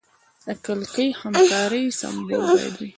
د کلکې همکارۍ سمبول باید وي.